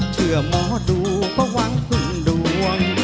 เชื่อหมอดูก็หวังพึ่งดวง